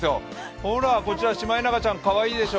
ほら、こちらシマエナガちゃん、かわいいでしょ。